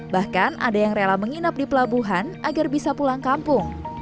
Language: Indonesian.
bahkan ada yang rela menginap di pelabuhan agar bisa pulang kampung